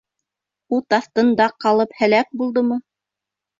— Ут аҫтында ҡалып һәләк булдымы?